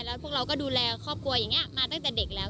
แล้วพวกเราก็ดูแลครอบครัวอย่างนี้มาตั้งแต่เด็กแล้ว